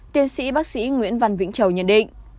tiến sĩ bác sĩ nguyễn văn vĩnh châu nhận định